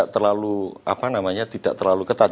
kalau durasi waktunya itu tidak terlalu ketat